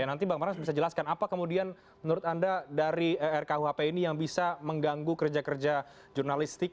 nanti bang manas bisa jelaskan apa kemudian menurut anda dari rkuhp ini yang bisa mengganggu kerja kerja jurnalistik